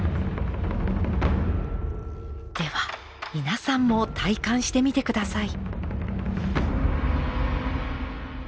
では皆さんも体感してみて下さい。